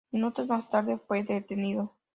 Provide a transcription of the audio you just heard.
Minutos más tarde fue detenido.